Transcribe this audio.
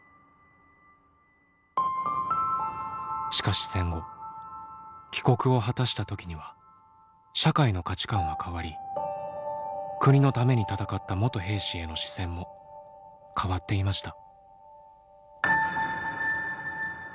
しかし戦後帰国を果たした時には社会の価値観は変わり国のために戦った元兵士への視線も変わっていました。